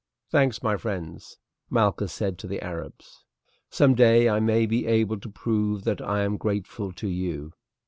"Thanks, my friends!" Malchus said to the Arabs. "Some day I may be able to prove that I am grateful to you."